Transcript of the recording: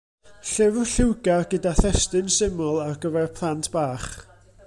Llyfr lliwgar gyda thestun syml ar gyfer plant bach.